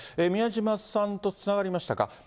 宮嶋さんとつながりましたか？